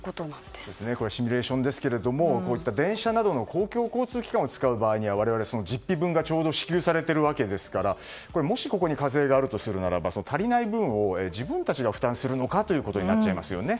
シミュレーションですが電車などの公共交通機関を使う場合は我々、実費分がちょうど支給されているわけですからもし、ここに課税があるとするならば足りない分を自分たちが負担するのかとなっちゃいますよね。